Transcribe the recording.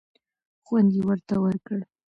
خوند یې ورته ورکړ.